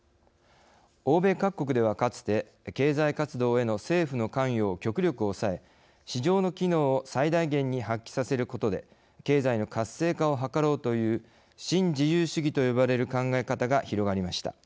欧米各国ではかつて経済活動への政府の関与を極力抑え市場の機能を最大限に発揮させることで経済の活性化を図ろうという新自由主義と呼ばれる考え方が広がりました。